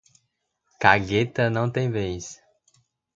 Cagueta não tem vez